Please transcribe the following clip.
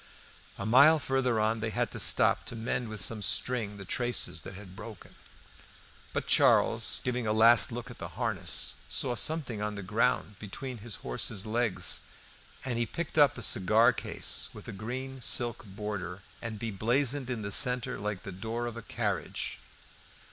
A mile farther on they had to stop to mend with some string the traces that had broken. But Charles, giving a last look to the harness, saw something on the ground between his horse's legs, and he picked up a cigar case with a green silk border and beblazoned in the centre like the door of a carriage.